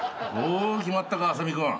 お決まったか麻美君。